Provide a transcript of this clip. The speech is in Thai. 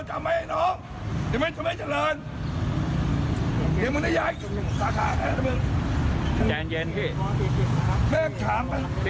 ชีทำไมครับ